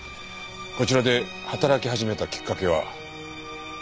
こちらで働き始めたきっかけは？